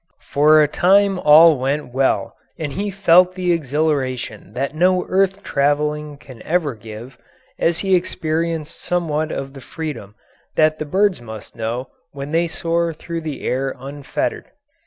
For a time all went well and he felt the exhilaration that no earth travelling can ever give, as he experienced somewhat of the freedom that the birds must know when they soar through the air unfettered.